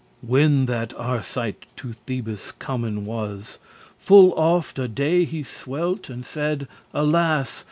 When that Arcite to Thebes comen was, Full oft a day he swelt*, and said, "Alas!"